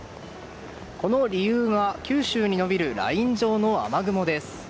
この理由が、九州に延びるライン状の雨雲です。